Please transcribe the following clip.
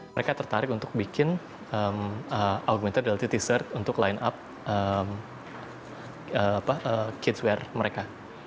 mereka tertarik untuk bikin augmented reality t search untuk line up kidsware mereka